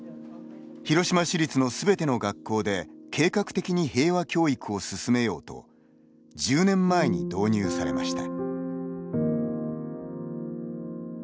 広島市立のすべての学校で計画的に平和教育を進めようと１０年前に導入されました。